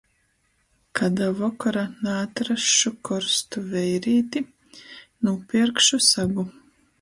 Ka da vokora naatrasšu korstu veirīti, nūpierkšu sagu...